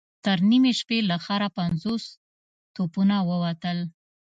تر نيمې شپې له ښاره پنځوس توپونه ووتل.